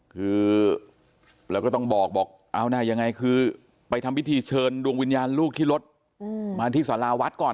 คือเราก็ต้องบอกบอกเอานะยังไงคือไปทำพิธีเชิญดวงวิญญาณลูกที่รถมาที่สาราวัดก่อน